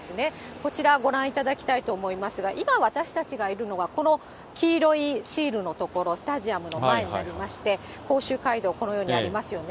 こちらご覧いただきたいと思いますが、今私たちがいるのはこの黄色いシールの所、スタジアムの前になりまして、甲州街道、このようにありますよね。